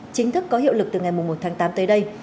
chính thức có hiệu lực từ ngày một tháng tám tới đây